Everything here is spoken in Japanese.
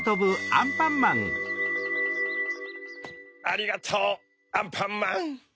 ありがとうアンパンマン。